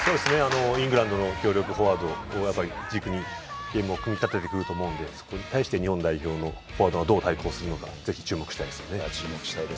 イングランドは強力フォワードを軸にゲームを組み立ててくると思うのでそこに対して日本代表のフォワードがどう対抗するのかぜひ注目したいですね。